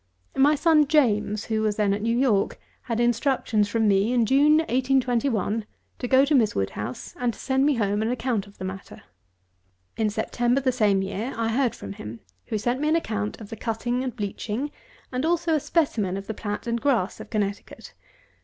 My son JAMES, who was then at New York, had instructions from me, in June 1821, to go to Miss WOODHOUSE, and to send me home an account of the matter. In September, the same year, I heard from him, who sent me an account of the cutting and bleaching, and also a specimen of the plat and grass of Connecticut.